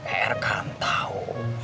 er kan tahu